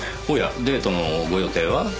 おやデートのご予定は？